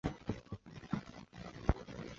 希伊人口变化图示